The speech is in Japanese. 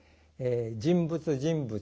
人物人物